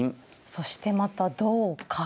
そしてまた同角と。